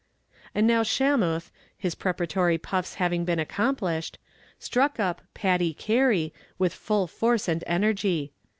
And now Shamuth his preparatory puffs having been accomplished struck up "Paddy Carey" with full force and energy.